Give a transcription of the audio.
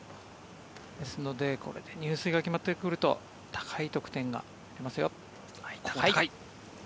ですのでこれで入水が決まってくると高い得点が出ますよ。